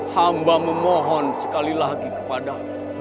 hamba memohon sekali lagi kepada aku